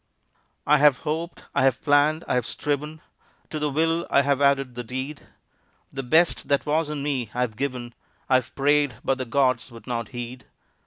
I have hoped, I have planned, I have striven, To the will I have added the deed; The best that was in me I've given, I have prayed, but the gods would not heed.